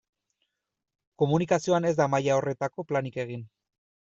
Komunikazioan ez da maila horretako planik egin.